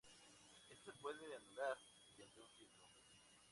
Esto se puede anular mediante un filtro.